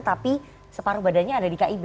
tapi separuh badannya ada di kib